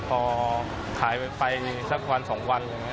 พอขายไปสักวัน๒วัน